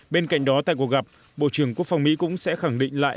bên cạnh đó tại cuộc gặp bộ trưởng quốc phòng mỹ cũng sẽ khẳng định lại